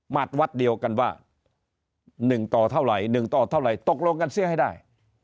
วัดเดียวกันว่า๑ต่อเท่าไหร่๑ต่อเท่าไหร่ตกลงกันเสียให้ได้